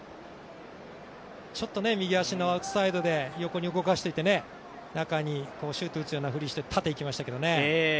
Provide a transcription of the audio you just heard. ちょっとアウトサイドで横に動かしておいて中にシュートを打つようなふりをして縦にいきましたけど。